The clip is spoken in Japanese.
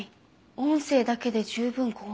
音声だけで十分怖い。